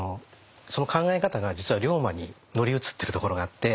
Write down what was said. その考え方が実は龍馬に乗り移ってるところがあって。